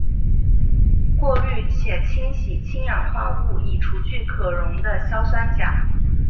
过滤且清洗氢氧化物以除去可溶的硝酸钾。